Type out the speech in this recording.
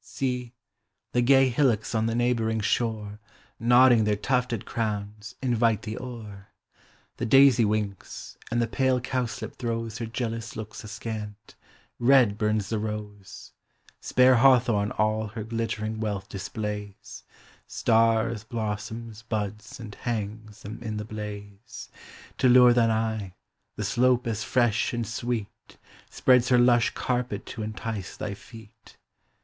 â See ! the gay hillocks on the neighbouring shore, Nodding their tufted crowns, invite thee o'er; The daisy winks, and the pale cowslip throws Her jealous looks ascant â red burns the rose â Spare hawthorn all her glittering wealth displays, Stars, blossoms, buds, and hangs them in the blaze, To lure thine eye â the slope as fresh and sweet. Spreads her lush carpet to entice thy feet.